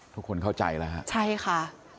ทุกคนเข้าใจแล้วครับใช่ค่ะค่ะ